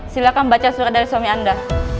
silahkan baca surat dari suami anda